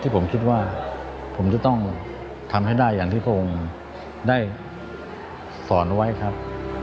ผมคิดว่าผมจะต้องทำให้ได้อย่างที่พระองค์ได้สอนไว้ครับ